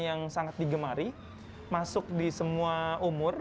yang sangat digemari masuk di semua umur